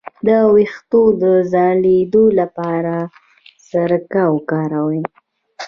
د ویښتو د ځلیدو لپاره سرکه وکاروئ